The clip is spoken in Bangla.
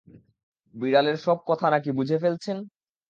বিড়ালের সব কথা নাকি বুঝে ফেলছেন?